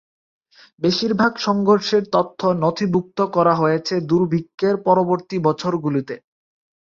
বেশির ভাগ সংঘর্ষের তথ্য নথিভুক্ত করা হয়েছে দুর্ভিক্ষের পরবর্তী বছরগুলোতে।